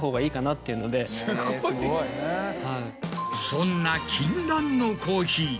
そんな禁断のコーヒー。